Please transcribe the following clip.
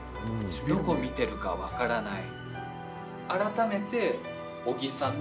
どこを見てるか分からない。